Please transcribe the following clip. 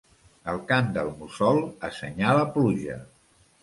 El cant del mussol assenyala pluja.